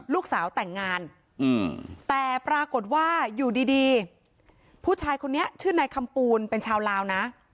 ลูกสาวแต่งงานแต่ปรากฏว่าอยู่ดีผู้ชายคนนี้ชื่อนายคำปูนเป็นชาวลาวนะ